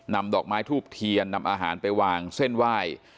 นำดอกไม้ทูบเทียนนำอาหารไปวางเส้นไหว้